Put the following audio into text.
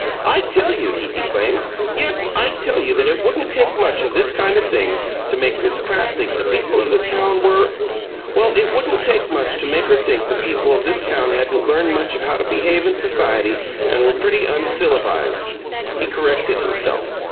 "I tell you," he declaimed; "yes, I tell you that it wouldn't take much of this kind of thing to make Miss Pratt think the people of this town were well, it wouldn't take much to make her think the people of this town hadn't learned much of how to behave in society and were pretty uncilivized!" He corrected himself.